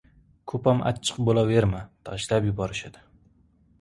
• Ko‘pam achchiq bo‘laverma, tashlab yuborishadi.